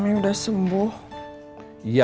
mami udah berusaha minum obatnya